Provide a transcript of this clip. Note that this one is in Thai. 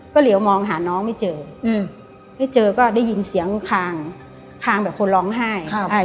เหลียวมองหาน้องไม่เจออืมไม่เจอก็ได้ยินเสียงคางคางแบบคนร้องไห้ครับอ่า